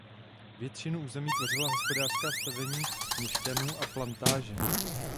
Většinu území tvořila hospodářská stavení měšťanů a plantáže.